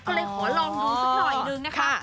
ก็เลยขอลองดูสักหน่อยนึงนะคะ